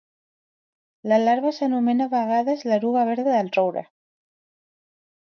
La larva s'anomena a vegades l'eruga verda del roure.